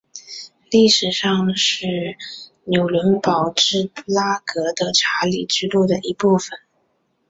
历史上是纽伦堡至布拉格的查理之路的一部份。